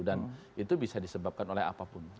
dan itu bisa disebabkan oleh apapun